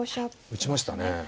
打ちましたね。